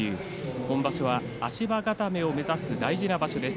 今場所は足場固めを目指す大事な場所です。